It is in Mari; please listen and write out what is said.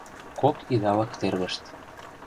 Кок идалык тергышт.